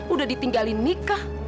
udah ditinggalin nikah